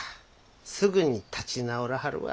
すぐに立ち直らはるわ。